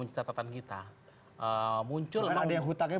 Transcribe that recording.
mencicatatan kita muncul ada yang hutangnya